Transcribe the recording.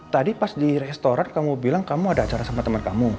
tadi pas di restoran kamu bilang kamu ada acara sama teman kamu